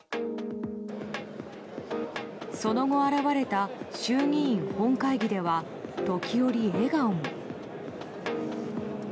その後、現れた衆議院本会議では時折、笑顔も。